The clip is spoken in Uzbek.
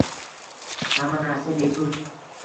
Hamma narsa bepul